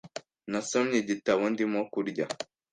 Nasomye igitabo ndimo kurya .